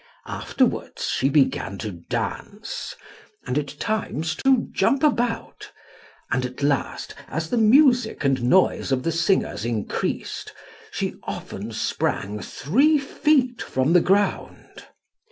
Afterwards she began to dance, and at times to jump about, and at last, as the music and noise of the singers increased, she often sprang three feet from the ground.